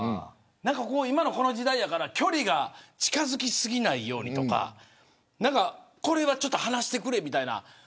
今の時代やから距離が近づきすぎないようにとかこれは離してくれみたいな。